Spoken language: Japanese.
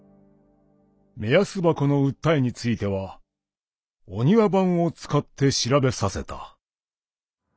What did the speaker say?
「目安箱の訴えについては御庭番を使って調べさせた」。